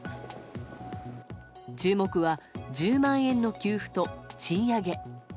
注目は１０万円の給付と賃上げ。